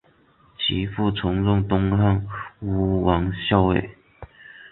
其父曾任东汉乌丸校尉。